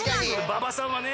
馬場さんはね。